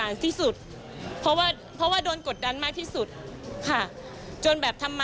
และสอบมายเฉพาะ